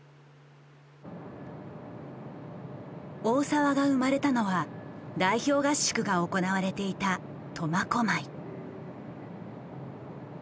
大澤が生まれたのは代表合宿が行われていた苫小牧。